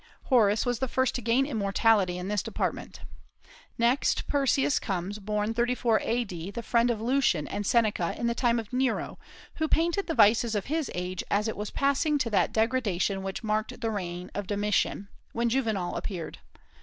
Horace was the first to gain immortality in this department. Next Persius comes, born 34 A.D., the friend of Lucian and Seneca in the time of Nero, who painted the vices of his age as it was passing to that degradation which marked the reign of Domitian, when Juvenal appeared.